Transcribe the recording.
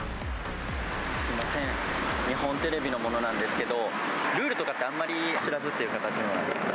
すみません、日本テレビの者なんですけど、ルールとかってあんまり知らずっていう形なんですか。